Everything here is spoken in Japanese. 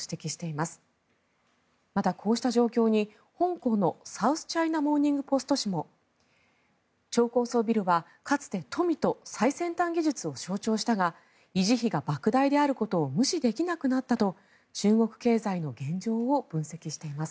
また、こうした状況に香港のサウスチャイナ・モーニング・ポスト紙も超高層ビルはかつて富と最先端技術を象徴したが維持費がばく大であることを無視できなくなったと中国経済の現状を分析しています。